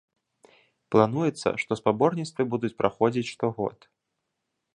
Плануецца, што спаборніцтвы будуць праходзіць штогод.